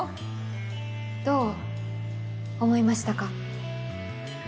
どう思いましたか？